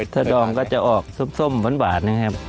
ถ้าดองก็จะออกส้มหวานนะครับ